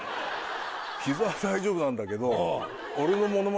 膝は大丈夫なんだけど。